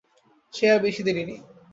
সে আর বেশি দেরি নেই।